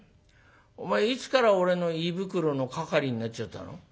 お前いつから俺の胃袋の係になっちゃったの？